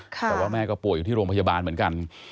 แต่ว่าแม่ก็ป่วยอยู่ที่โรงพยาบาลเหมือนกัน